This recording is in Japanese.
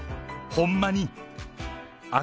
ほんまにっ！